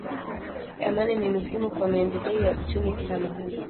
Amani ni muhimu kwa maendeleo ya uchumi kila mahali.